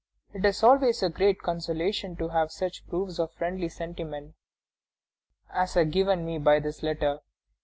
It is always a great consolation to have such proofs of a friendly sentiment as are given me by this letter.